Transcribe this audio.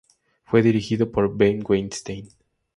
Fue dirigido por Ben Weinstein.